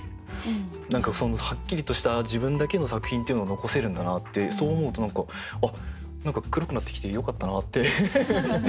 何かはっきりとした自分だけの作品っていうのを残せるんだなってそう思うと何か「あっ何か黒くなってきてよかったな」って。